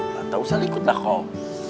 tidak usah likut lah kau